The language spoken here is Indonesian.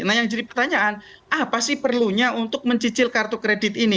nah yang jadi pertanyaan apa sih perlunya untuk mencicil kartu kredit ini